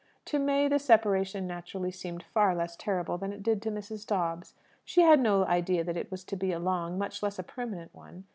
To May the separation naturally seemed far less terrible than it did to Mrs. Dobbs. She had no idea that it was to be a long, much less a permanent, one.